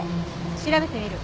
調べてみる。